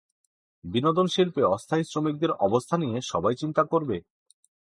বিনোদন শিল্পে অস্থায়ী শ্রমিকদের অবস্থা নিয়ে সবাই চিন্তা করবে।